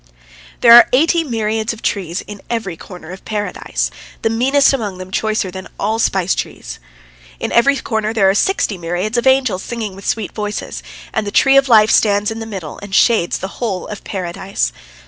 There are eighty myriads of trees in every corner of Paradise, the meanest among them choicer than all the spice trees. In every corner there are sixty myriads of angels singing with sweet voices, and the tree of life stands in the middle and shades the whole of Paradise.